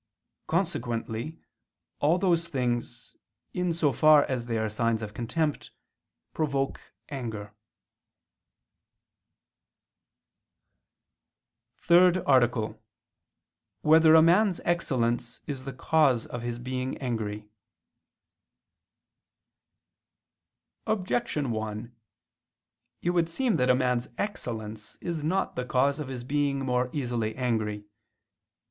Consequently all those things, in so far as they are signs of contempt, provoke anger. ________________________ THIRD ARTICLE [I II, Q. 47, Art. 3] Whether a Man's Excellence Is the Cause of His Being Angry? Objection 1: It would seem that a man's excellence is not the cause of his being more easily angry.